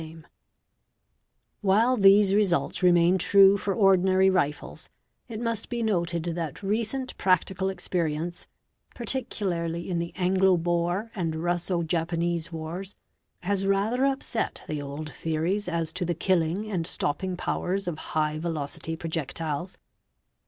GE 69, ODS (IPM TPA SAT Be Ay BY ORE Ah ARS AO Se >_ While these results remain true for ordinary rifles, it must be noted that recent practical experience, particularly in the Anglo Boer and Russo Japanese wars, has rather upset the old theories as to the killing and stor ping powers of high velocity projectiles.